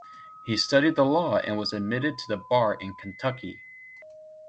He studied law and was admitted to the Bar in Kentucky.